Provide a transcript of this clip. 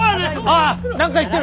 ああ何か言ってる。